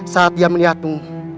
saat dia melihatmu